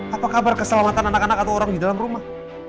apa kabar keselamatan anak anak atau orang di dalam rumah